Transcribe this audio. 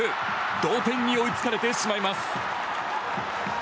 同点に追いつかれてしまいます。